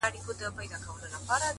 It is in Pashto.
په کندهار کې مې مستقیم څوک نه پېژندل